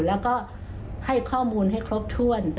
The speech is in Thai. แล้วก็ให้ข้อมูลให้ครบถ้วน